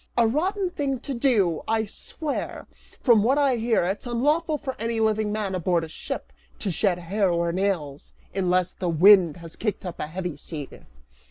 "A rotten thing to do, I swear! From what I hear, it's unlawful for any living man aboard ship to shed hair or nails, unless the wind has kicked up a heavy sea."